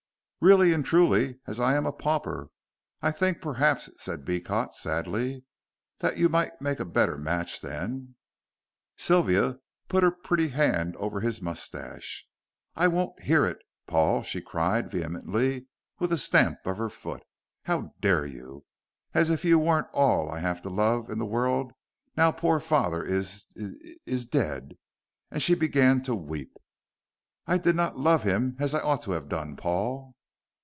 "Really and truly, as I am a pauper. I think perhaps," said Beecot, sadly, "that you might make a better match than " Sylvia put her pretty hand over his moustache. "I won't hear it, Paul," she cried vehemently, with a stamp of her foot. "How dare you? As if you weren't all I have to love in the world now poor father is is de a d," and she began to weep. "I did not love him as I ought to have done, Paul."